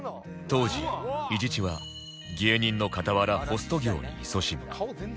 当時伊地知は芸人の傍らホスト業にいそしむ